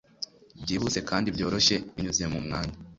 byihuse kandi byoroshye binyuze mumwanya